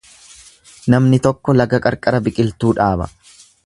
Namni tokko laga qarqara biqiltuu dhaaba.